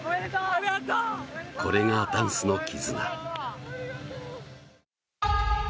これがダンスの絆。